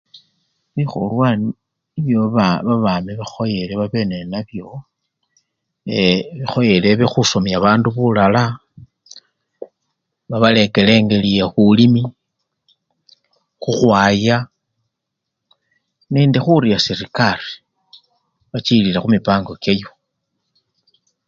Bikholwa nibyo baba-babami bakhoyele babe ninabyo, ee ekhoyele ebekhusomya babandu bulaala, babalekele engeli yebulimi, khukhwaya nende khurya serekari, bachililile khumipango kyayo.